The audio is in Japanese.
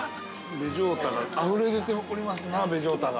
◆べジョータがあふれ出ておりますな、べジョータが。